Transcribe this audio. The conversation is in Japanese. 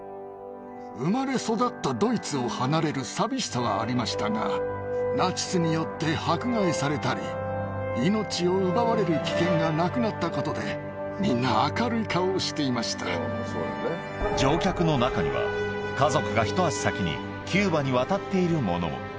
生まれ育ったドイツを離れる寂しさはありましたが、ナチスによって迫害されたり、命を奪われる危険がなくなったことで、みんな明るい顔をしていま乗客の中には、家族が一足先にキューバに渡っている者も。